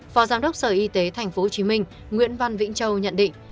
phó giám đốc sở y tế tp hcm nguyễn văn vĩnh châu nhận định